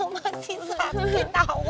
masih sakit tau